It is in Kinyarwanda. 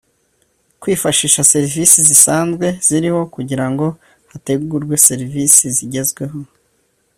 kwifashisha serivisi zisanzwe ziriho kugira ngo hategurwe serivisi zigezweho